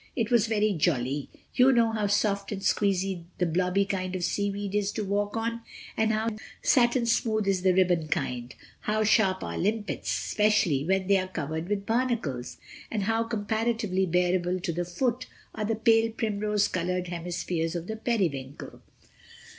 It was very jolly. You know how soft and squeezy the blobby kind of seaweed is to walk on, and how satin smooth is the ribbon kind; how sharp are limpets, especially when they are covered with barnacles, and how comparatively bearable to the foot are the pale primrose colored hemispheres of the periwinkle.